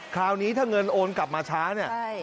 คราวนี้ถ้าเงินโอนกลับมาช้าเนี่ย